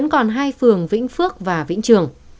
còn hai phường vĩnh phước và vĩnh trường